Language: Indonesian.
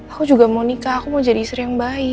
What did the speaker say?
aku juga mau nikah aku mau jadi istri yang baik